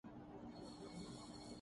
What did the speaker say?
امیر کی